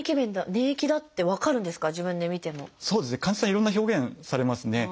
いろんな表現されますね。